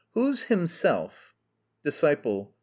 Who himself? DISCIPLE.